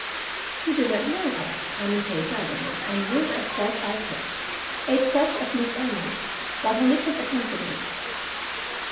"You do not know her," I maintained doggedly. And drew, as best I could, a sketch of Miss Emily, while he listened attentively.